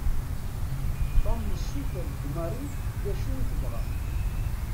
Tom yessuter deg Marie d acu i tebɣa.